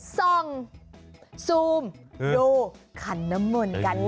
ส่องซูมดูขันน้ำมนต์กัน